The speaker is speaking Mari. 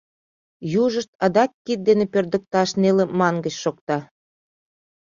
Южышт адак кид дене пӧрдыкташ неле мангыч шокта.